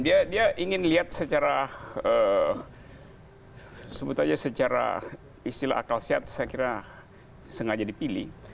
dia ingin lihat secara sebut aja secara istilah akal sehat saya kira sengaja dipilih